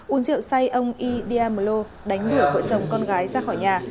uống rượu say ông yediam lo đánh nửa vợ chồng con gái ra khỏi nhà